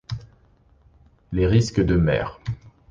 Les risques de mer